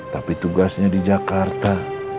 tapi tugasnya di jakarta